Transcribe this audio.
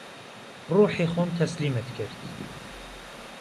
ڕووحی خۆم تهسلیمت کرد